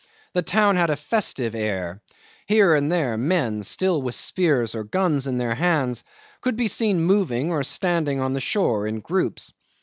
The town had a festive air; here and there men, still with spears or guns in their hands, could be seen moving or standing on the shore in groups.